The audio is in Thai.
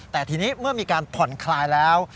แต่ทีนี้เมื่อมีการผ่อนคลายแล้ว